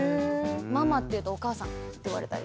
ママって言うと「お母さん」って言われたり。